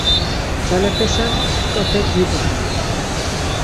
Ncalepeşen but̆ǩape dibğen.